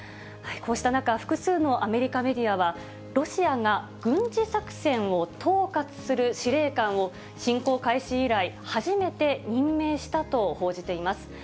こうした中、複数のアメリカメディアは、ロシアが軍事作戦を統括する司令官を、侵攻開始以来、初めて任命したと報じています。